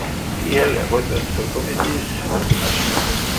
He held appointments for committees of the National Party.